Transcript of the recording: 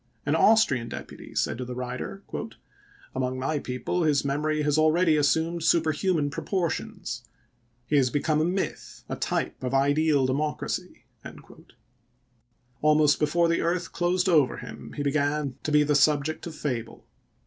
An Austrian deputy said to the writer, "Among my people his memory has already assumed super human proportions ; he has become a myth, a type of ideal democracy." Almost before the earth closed over him he began to be the subject of fable.